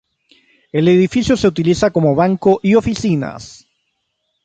El edificio se utiliza como banco y oficinas.